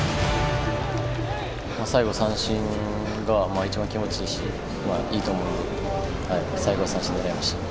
最後三振が一番気持ちいいしいいと思うので最後は三振狙いました。